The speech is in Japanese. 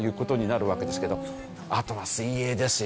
あとは水泳ですよ。